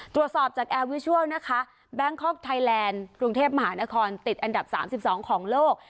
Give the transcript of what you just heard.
ตรวจสอบจากแอร์วิชัลนะคะแบงคอกไทยแลนด์กรุงเทพมหานครติดอันดับ๓๒ของโลก